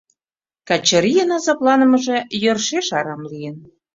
Качырийын азапланымыже йӧршеш арам лийын.